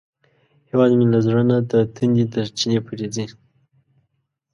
هیواد مې له زړه نه د تندي تر چینې پورې ځي